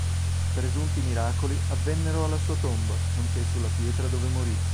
Presunti miracoli avvennero alla sua tomba, nonché sulla pietra dove morì.